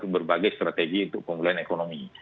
berbagai strategi untuk pemulihan ekonomi